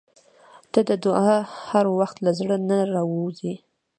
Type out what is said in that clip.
• ته د دعا هر وخت له زړه نه راووځې.